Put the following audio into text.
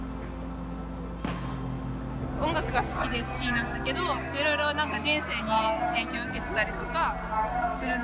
音楽が好きで好きになったけどいろいろなんか人生に影響を受けてたりとかするなと思って。